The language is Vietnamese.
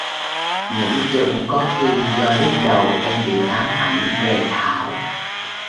Những Tưởng có khi do lúc đầu em bị ám ảnh về thảo